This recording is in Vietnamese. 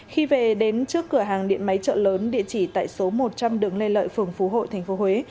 khi về đến trước cửa hàng điện máy chợ lớn địa chỉ tại số một trăm linh đường lê lợi phường phú hội tp huế